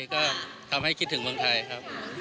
ก็ทำให้คิดถึงเมืองไทยครับ